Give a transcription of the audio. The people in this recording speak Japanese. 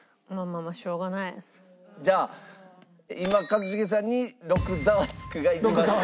じゃあ今一茂さんに６ザワつくがいきました。